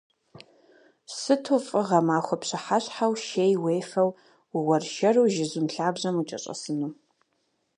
Сыту фӏы гъэмахуэ пщыхьэщхьэу шей уефэу, ууэршэру жызум лъабжьэм укӏэщӏэсыну.